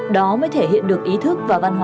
đó mới thể hiện được ý thức và văn hóa